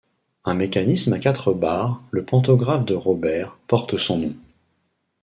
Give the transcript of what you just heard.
Un mécanisme à quatre barres, le pantographe de Roberts, porte son nom.